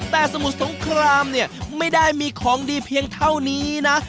แต่สมุทรสงครามเนี่ยไม่ได้มีของดีเพียงเท่านี้นะ